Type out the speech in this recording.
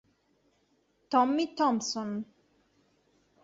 Tommy Thompson